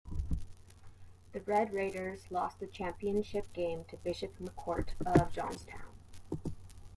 The Red Raiders lost the championship game to Bishop McCort of Johnstown.